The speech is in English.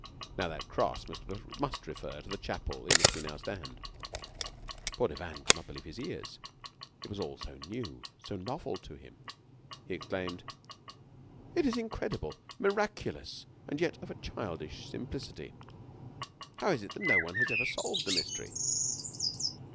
Now, that cross must refer to the chapel in which we now stand." Poor Devanne could not believe his ears. It was all so new, so novel to him. He exclaimed: "It is incredible, miraculous, and yet of a childish simplicity! How is it that no one has ever solved the mystery?"